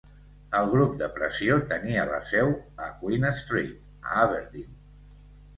El grup de pressió tenia la seu a Queen Street a Aberdeen.